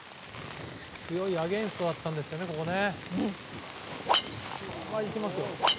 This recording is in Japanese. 強いアゲンストだったんですよね。